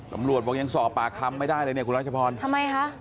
ตำรวจบอกยังสอบปากคำไม่ได้เลยเนี่ยคุณรัชพรทำไมคะ